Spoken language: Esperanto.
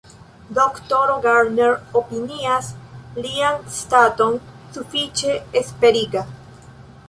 Doktoro Garner opinias lian staton sufiĉe esperiga.